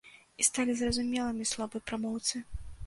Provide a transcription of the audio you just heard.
І сталі зразумелымі словы прамоўцы.